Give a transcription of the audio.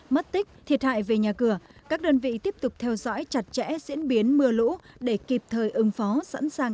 mất tích thiệt hại về nhà cửa các đơn vị tiếp tục theo dõi chặt chẽ diễn biến mưa lũ để kịp thời ứng phó sẵn sàng